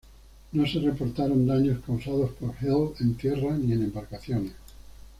No se reportaron daños causados por Earl en tierra ni en embarcaciones.